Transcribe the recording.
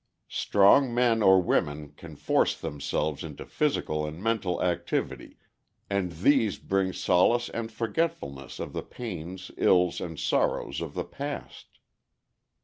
Strong men or women can force themselves into physical and mental activity and these bring solace and forgetfulness of the pains, ills, and sorrows of the past.